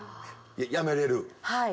辞めれる。